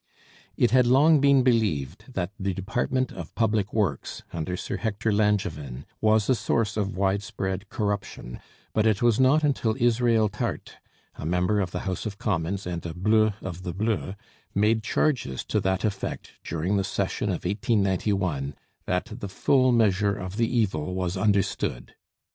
It had long been believed that the department of Public Works, under Sir Hector Langevin, was a source of widespread corruption, but it was not until Israel Tarte, a member of the House of Commons and a bleu of the bleus, made charges to that effect during the session of 1891, that the full measure of the evil was understood.